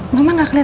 mama gak keliatan